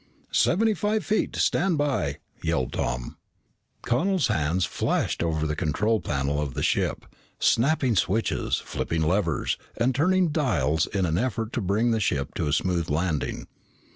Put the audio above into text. "Seventy five feet! Stand by!" yelled Tom. Connel's hands flashed over the control panel of the ship, snapping switches, flipping levers, and turning dials in an effort to bring the ship to a smooth landing.